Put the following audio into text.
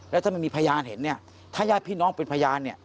แล้วถ้ามันมีพยานเห็นเนี่ยถ้าญาติพี่น้องเป็นพยานเนี่ย